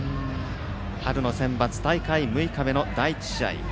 春のセンバツ大会６日目の第１試合。